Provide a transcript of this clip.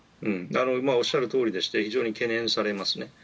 おっしゃるとおりでして非常に懸念されますね。